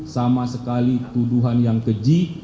sama sekali tuduhan yang keji